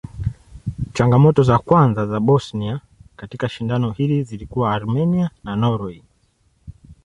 Changamoto za kwanza za Bosnia katika shindano hili zilikuwa Armenia na Norway.